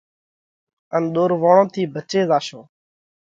ان ۮورووڻون ٿِي ڀچي زاشون۔